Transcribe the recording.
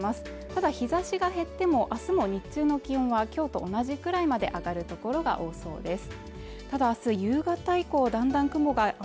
ただ日差しが減ってもあすも日中の気温はきょうと同じくらいまで上がる所が多そうです